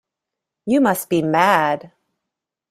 You must be mad.